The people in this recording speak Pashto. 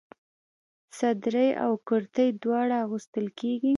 صدرۍ او کرتۍ دواړه اغوستل کيږي.